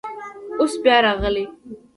اوس بیا راغلی.